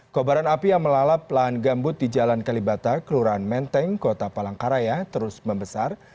kobaran api yang melalap lahan gambut di jalan kalibata kelurahan menteng kota palangkaraya terus membesar